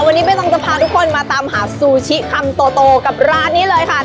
วันนี้ไม่ต้องจะพาทุกคนมาตามหาซูชิคำโตกับร้านนี้เลยค่ะ